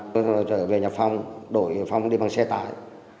tôi trở về nhà phong đổi phong đi bằng xe tải